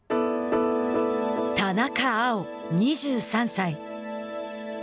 田中碧、２３歳。